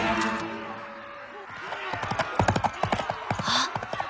あっ！